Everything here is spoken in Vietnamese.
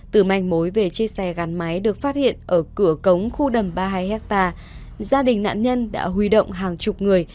từ manh mối về chiếc xe gắn máy được phát hiện ở cửa cống khu đầm ba mươi hai hectare gia đình nạn nhân đã huy động hàng chục người